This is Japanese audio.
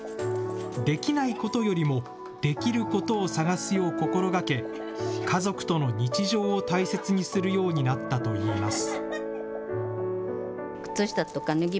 できないことよりも、できることを探すよう心がけ、家族との日常を大切にするようになったといいます。